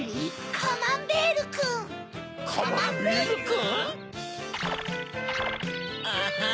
カマンベールくん⁉アハン。